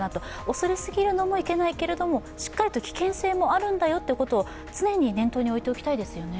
恐れすぎるのもいけないけれどもしっかりと危険性もあるんだよということも常に念頭においておきたいですね。